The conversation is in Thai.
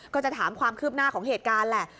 ก็จะถามความคืบหน้าของเหตุการณ์แหละ